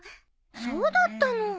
そうだったの。